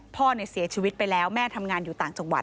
พ่อเสียชีวิตไปแล้วแม่ทำงานอยู่ต่างจังหวัด